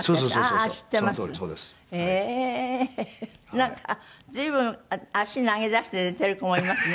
なんか随分足投げ出して寝てる子もいますね。